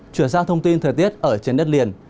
chuyển sang thông tin thời tiết ở trên đất liền